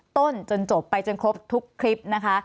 ต้นจนจบไปจนครบทุกคลิปนะคะ